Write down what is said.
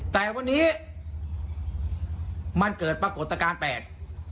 แต่วันนี้มันเกิดปรากฏการณ์แปด